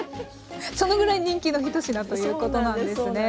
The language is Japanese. そのぐらい人気の一品ということなんですね。